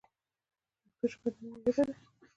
پښتو ژبه د مینې ژبه ده.